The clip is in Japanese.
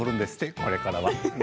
これからは。